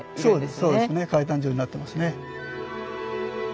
そうですそうですね階段状になってますね。